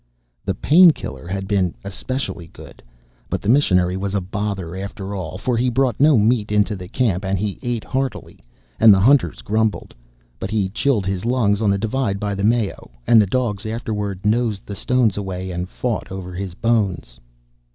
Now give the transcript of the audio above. The "painkiller" had been especially good. But the missionary was a bother after all, for he brought no meat into the camp, and he ate heartily, and the hunters grumbled. But he chilled his lungs on the divide by the Mayo, and the dogs afterwards nosed the stones away and fought over his bones.